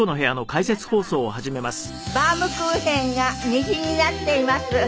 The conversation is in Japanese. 皆様バウムクーヘンが虹になっています。